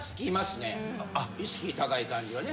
意識高い感じはね。